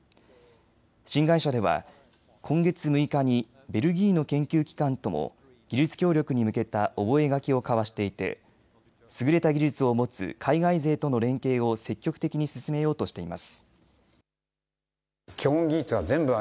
新会社では今月６日にベルギーの研究機関とも技術協力に向けた覚書を交わしていて優れた技術を持つ海外勢との連携を積極的に進めようとしています。